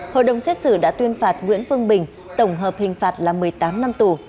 hội đồng xét xử đã tuyên phạt nguyễn phương bình tổng hợp hình phạt là một mươi tám năm tù